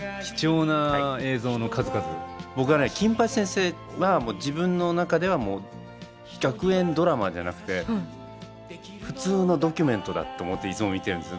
僕はね「金八先生」は自分の中では学園ドラマじゃなくて普通のドキュメントだって思っていつも見てるんです。